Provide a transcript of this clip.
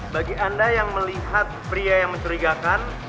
bagi anda yang melihat pria yang mencurigakan